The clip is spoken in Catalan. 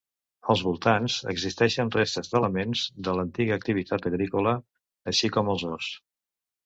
Als voltants existeixen restes d'elements de l'antiga activitat agrícola, així com els horts.